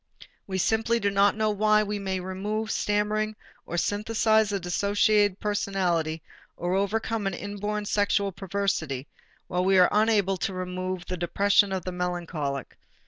We simply do not know why we may remove stammering or synthesize a dissociated personality or overcome an inborn sexual perversity, while we are unable to remove the depression of the melancholic.